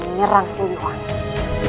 menyerang si luwani